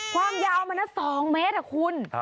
ความยาวมันนะ๒เมตรคุณ